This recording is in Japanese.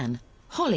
はい。